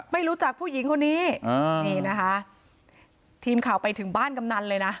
ไม่รู้จักผู้หญิงคนนี้อ่านี่นะคะทีมข่าวไปถึงบ้านกำนันเลยนะ